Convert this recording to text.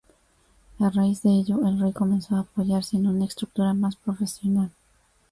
A raíz de ello, el rey comenzó a apoyarse en una estructura más profesional.